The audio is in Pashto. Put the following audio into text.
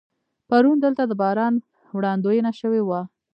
پرون دلته د باران وړاندوینه شوې وه.